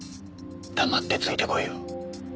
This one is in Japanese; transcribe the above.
黙ってついて来いよ。